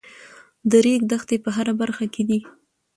د ریګ دښتې په هره برخه کې دي.